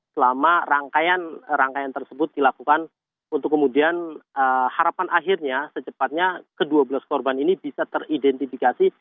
selama rangkaian rangkaian tersebut dilakukan untuk kemudian harapan akhirnya secepatnya ke dua belas korban ini bisa teridentifikasi